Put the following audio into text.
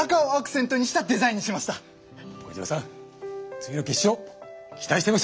次の決勝期待してますよ！